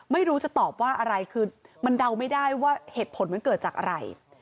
ไม่รู้จะตอบว่าอะไรคือมันเดาไม่ได้ว่าเหตุผลมันเกิดจากอะไร